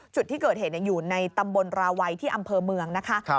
จุดที่เกิดเหตุอยู่ในตำบลราวัยที่อำเภอเมืองนะคะ